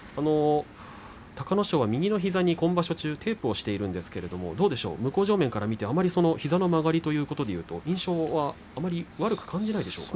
隆の勝は右の膝に今場所中テープをしているんですけれども、向正面から見て膝の曲がりで言うと印象はあまり悪く感じないですか。